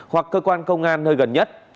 hoặc cơ quan công an nơi gần nhất